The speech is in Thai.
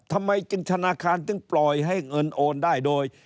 ทำไมธนาคารถึงปล่อยให้เงินโอนได้โดย